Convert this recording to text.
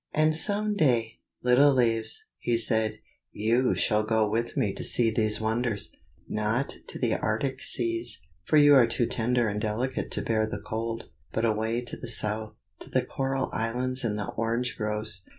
"And some day, little leaves," he said, "you shall go with me to see these wonders; not to the arctic seas, for you are too tender and delicate to bear the cold; but away to the south, to the coral islands and the orange groves.